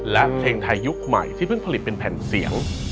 และเพลงไทยยุคใหม่ที่เพิ่งผลิตเป็นแผ่นเสียง